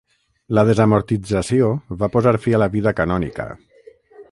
La desamortització va posar fi a la vida canònica.